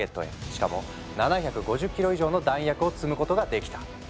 しかも７５０キロ以上の弾薬を積むことができた。